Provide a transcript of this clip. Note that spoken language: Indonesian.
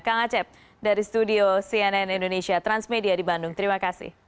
kang acep dari studio cnn indonesia transmedia di bandung terima kasih